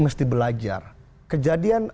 mesti belajar kejadian